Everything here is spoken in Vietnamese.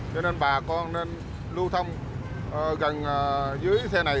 cho nên bà con nên lưu thông gần dưới xe này